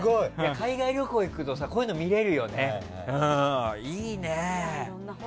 海外旅行行くとこういうの見れるよね、いいね。